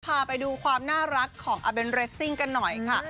พาไปดูความน่ารักของอาเบนเรสซิ่งกันหน่อยค่ะ